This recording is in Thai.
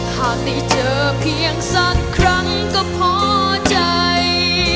หากได้เจอเพียงสักครั้งก็พอใจ